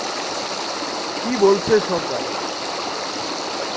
কী বলছে সরকার?